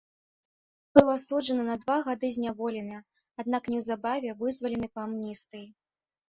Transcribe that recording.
Быў асуджаны на два гады зняволення, аднак неўзабаве вызвалены па амністыі.